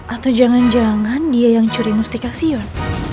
atau jangan jangan dia yang curi mustika sion